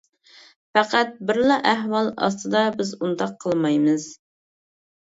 پەقەت بىرلا ئەھۋال ئاستىدا بىز ئۇنداق قىلمايمىز.